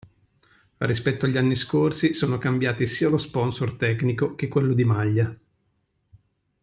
Rispetto agli anni scorsi, sono cambiati sia lo sponsor tecnico che quello di maglia.